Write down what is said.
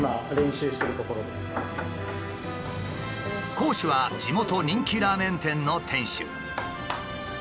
講師は地元人気ラーメン店の店主。